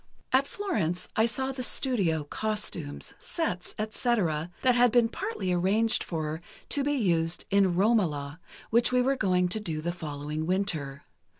"At Florence I saw the studio, costumes, sets, etc., that had been partly arranged for, to be used in 'Romola,' which we were going to do the following winter.